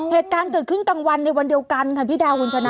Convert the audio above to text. เหตุการณ์เกิดขึ้นกลางวันในวันเดียวกันค่ะพี่ดาวคุณชนะ